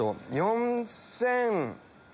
４０００円。